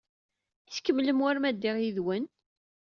I tkemmlem war ma ddiɣ yid-wen?